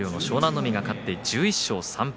海が勝って１１勝３敗。